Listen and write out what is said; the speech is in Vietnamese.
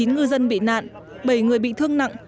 ngư dân bị nạn bảy người bị thương nặng